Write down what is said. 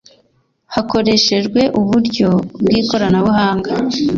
hakoreshejwe uburyo bw ikoranabuhanga